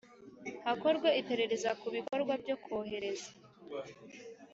hakorwe iperereza ku bikorwa byo kohereza